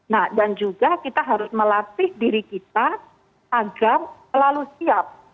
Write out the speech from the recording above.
nah dan juga kita harus melatih diri kita agar selalu siap